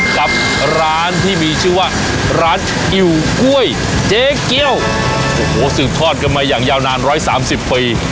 กับร้านที่มีชื่อว่าร้านอิ่วกล้วยเจ๊เกี้ยวโอ้โหสืบทอดกันมาอย่างยาวนานร้อยสามสิบปี